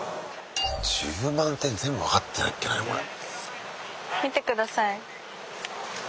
１０万点全部分かってなきゃいけないのこれ。